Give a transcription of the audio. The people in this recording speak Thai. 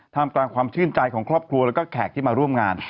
ทำกลางความชื่นใจของครอบครัวแล้วก็แขกที่มาร่วมงาน